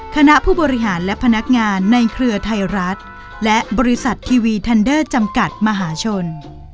คณะผู้บริหารและพนักงานในเครือไทยรัฐและบริษัททีวีทันเดอร์จำกัดมหาชน